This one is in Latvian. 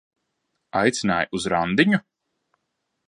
Aicināja uz randiņu?